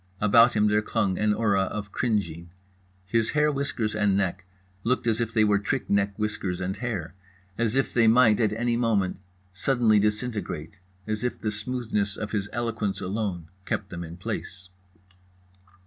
About him there clung an aura of cringing. His hair whiskers and neck looked as if they were trick neck whiskers and hair, as if they might at any moment suddenly disintegrate, as if the smoothness of his eloquence alone kept them in place.